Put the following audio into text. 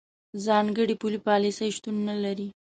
ځانګړې پولي پالیسۍ شتون نه لري.